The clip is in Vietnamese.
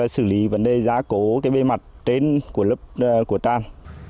xử lý vấn đề giá cố cái bê mặt trên của lớp của tràn